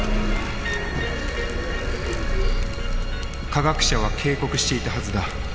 科学者は警告していたはずだ。